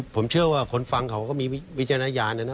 ผมเชื่อว่าคนฟังเขาก็มีวิจารณญาณนะนะ